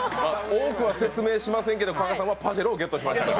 多くは説明しませんけど加賀さんはパジェロをゲットしました。